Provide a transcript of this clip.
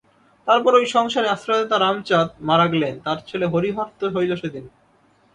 তারপর ঐ সংসারে আশ্রয়দাতা রামচাঁদ মারা গেলেন, তাঁর ছেলে হরিহর তো হইল সেদিন।